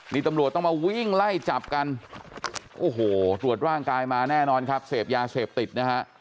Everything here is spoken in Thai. นี่ตำรวจต้องมาวิ่งไล่จับกันโอ้โหตรวจร่างกายมาแน่นอนครับเสพยาเสพติดนะฮะ